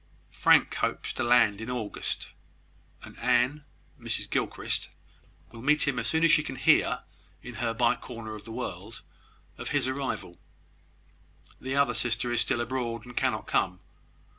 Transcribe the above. "Frank hopes to land in August; and Anne, Mrs Gilchrist, will meet him as soon as she can hear, in her by corner of the world, of his arrival. The other sister is still abroad, and cannot come.